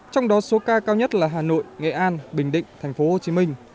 trong đó số ca cao nhất là hà nội nghệ an bình định tp hcm